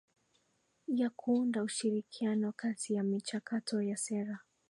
ya kuunda ushirikiano kati ya michakato ya sera